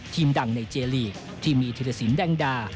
ทีมดังในเจรียร์ลีกที่มีเทรศิลป์แดงดา